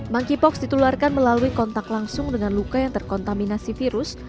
monkeypox ditularkan melalui kontak langsung dengan luka yang terkontaminasi virus